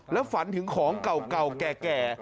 แล้วฝันถึงของเก่าแก่